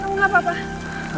kamu gak apa apa